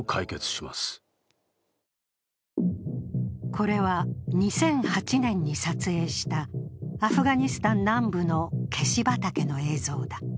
これは２００８年に撮影したアフガニスタン南部のケシ畑の映像だ。